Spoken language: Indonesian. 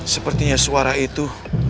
sepertinya suara itu